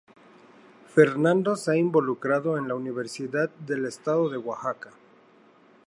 Fernando se ha involucrado en la Universidad del Estado de Oaxaca.